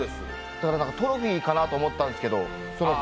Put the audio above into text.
トロフィーかなって思ったんですけど。